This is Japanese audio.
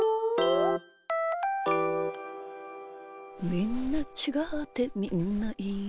「みんなちがってみんないいな」